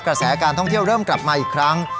กระแสการท่องเที่ยวเริ่มกลับมาอีกครั้ง